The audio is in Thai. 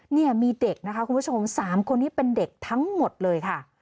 เนี่ยมีเด็กนะคะคุณผู้ชม๓คนนี้เป็นเด็กทั้งหมดเลยค่ะ